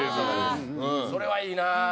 それはいいな。